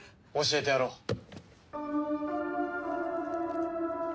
教えてやろう。